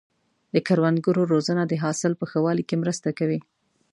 د کروندګرو روزنه د حاصل په ښه والي کې مرسته کوي.